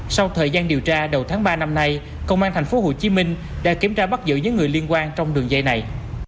sau thời gian điều tra đầu tháng ba năm nay công an tp hồ chí minh đã kiểm tra bắt giữ những người liên quan trong đường dây này